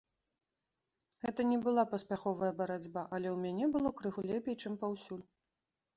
Гэта не была паспяховая барацьба, але ў мяне было крыху лепей, чым паўсюль.